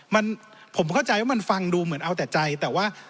มันผมเข้าใจว่ามันฟังดูเหมือนเอาแต่ใจแต่ว่า